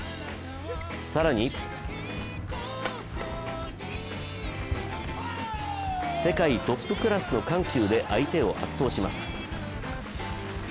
更に世界トップクラスの緩急で相手を圧倒します。